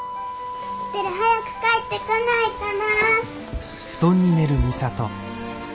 テル早く帰ってこないかな。